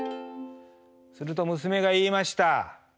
すると娘が言いました。